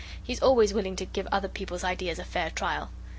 He is always willing to give other people's ideas a fair trial.